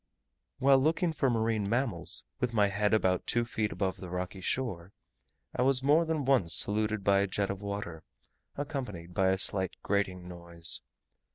While looking for marine animals, with my head about two feet above the rocky shore, I was more than once saluted by a jet of water, accompanied by a slight grating noise.